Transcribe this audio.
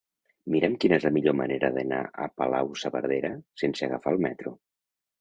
Mira'm quina és la millor manera d'anar a Palau-saverdera sense agafar el metro.